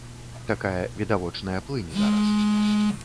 Такая відавочная плынь зараз.